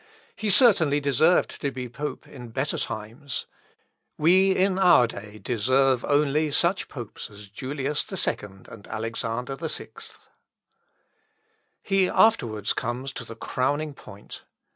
He certainly deserved to be pope in better times. We, in our day, deserve only such popes as Julius II, and Alexander VI." He afterwards comes to the crowning point.